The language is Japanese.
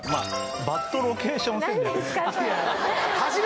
バッドロケーション戦略